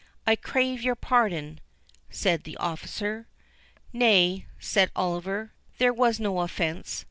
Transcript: I crave your pardon," said the officer. "Nay," said Oliver, "there was no offence.